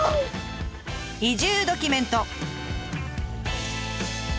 移住ドキュメント。